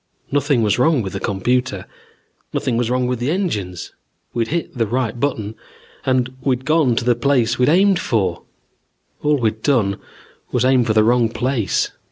Nothing was wrong with the computer. Nothing was wrong with the engines. We'd hit the right button and we'd gone to the place we'd aimed for. All we'd done was aim for the wrong place.